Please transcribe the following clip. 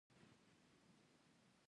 استاد بينوا د پښتو د غزل ژبه هم نازوله.